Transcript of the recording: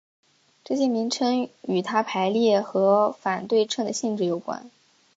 这些名称与它排列和反对称的性质有关。